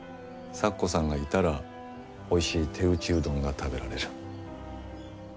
咲子さんがいたらおいしい手打ちうどんが食べられる。